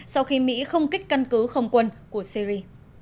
sau khi mỹ không kích căn cứ không quân của syri